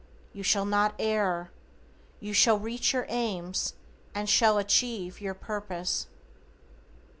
You shall not err. You shall reach your aims, and shall achieve your purpose.